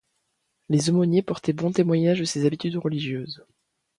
Les aumôniers portaient bon témoignage de ses habitudes religieuses.